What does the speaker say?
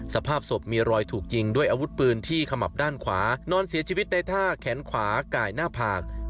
สภาพศพมีรอยถูกยิงด้วยอาวุธปืนที่ขมับด้านขวานอนเสียชีวิตในท่าแขนขวากายหน้าผาก